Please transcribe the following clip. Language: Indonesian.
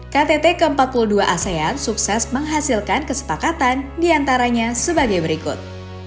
ktt ke empat puluh dua asean sukses menghasilkan kesepakatan diantaranya sebagai berikut